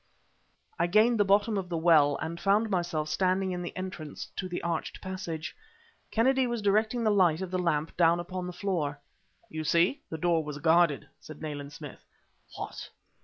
I gained the bottom of the well, and found myself standing in the entrance to an arched passage. Kennedy was directing the light of the lamp down upon the floor. "You see, the door was guarded" said Nayland Smith. "What!"